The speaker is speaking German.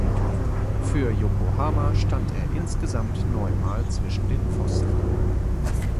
Für Yokohama stand er insgesamt neunmal zwischen den Pfosten.